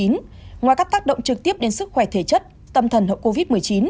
ngoài các tác động trực tiếp đến sức khỏe thể chất tâm thần hậu covid một mươi chín